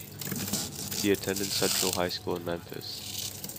He attended Central High School in Memphis.